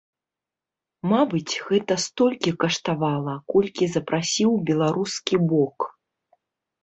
Мабыць, гэта столькі каштавала, колькі запрасіў беларускі бок.